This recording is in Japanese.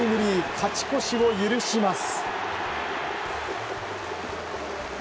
勝ち越しを許します。